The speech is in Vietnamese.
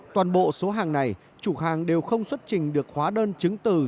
toàn bộ số hàng này chủ hàng đều không xuất trình được hóa đơn chứng từ